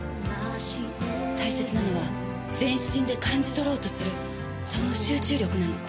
大切なのは全身で感じ取ろうとするその集中力なの。